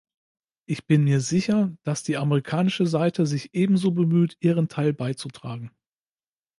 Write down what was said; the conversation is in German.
Ich bin mir sicher, dass die amerikanische Seite sich ebenso bemüht, ihren Teil beizutragen.